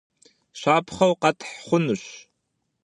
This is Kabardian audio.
Щапхъэу къэтхь хъунущ.